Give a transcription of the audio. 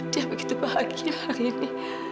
dia begitu bahagia hari ini